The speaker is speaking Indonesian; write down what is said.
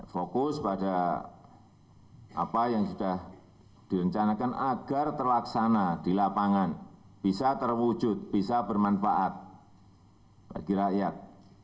fokus pada apa yang sudah direncanakan agar terlaksana di lapangan bisa terwujud bisa bermanfaat bagi rakyat